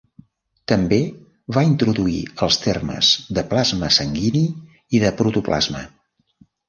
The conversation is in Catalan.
També va introduir els termes de plasma sanguini i de protoplasma.